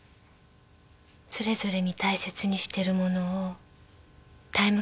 それぞれに大切にしてるものをタイムカプセルに。